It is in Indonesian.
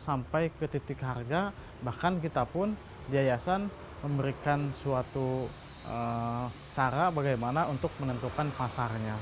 sampai ke titik harga bahkan kita pun di yayasan memberikan suatu cara bagaimana untuk menentukan pasarnya